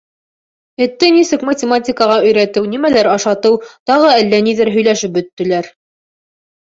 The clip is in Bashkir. Этте нисек математикаға өйрәтеү, нимәләр ашатыу, тағы әллә ниҙәр һөйләшеп бөттөләр.